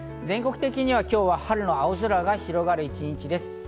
全国的には今日は春の青空が広がる一日です。